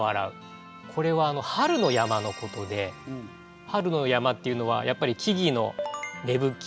これは春の山のことで春の山っていうのはやっぱり木々の芽吹き